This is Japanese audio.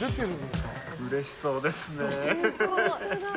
うれしそうですね。